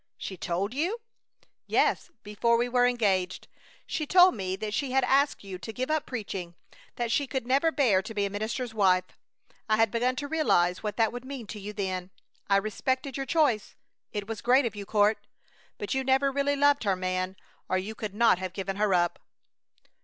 "She told you?" "Yes, before we were engaged. She told me that she had asked you to give up preaching, that she could never bear to be a minister's wife. I had begun to realize what that would mean to you then. I respected your choice. It was great of you, Court! But you never really loved her, man, or you could not have given her up!"